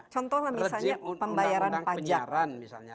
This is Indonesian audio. contohnya misalnya pembayaran pajak